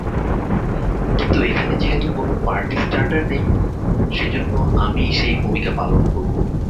কিন্তু এখানে যেহেতু কোনো পার্টি স্টার্টার নেই, সেজন্য আমিই সেই ভূমিকা পালন করবো।